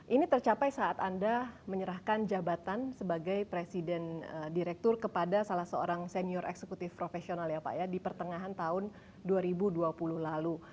ini tercapai saat anda menyerahkan jabatan sebagai presiden direktur kepada salah seorang senior eksekutif profesional ya pak ya di pertengahan tahun dua ribu dua puluh lalu